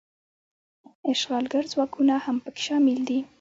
اشغالګر ځواکونه هم پکې شامل دي.